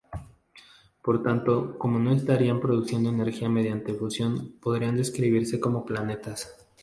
Por tanto, como no estarían produciendo energía mediante fusión, podrían describirse como planetas.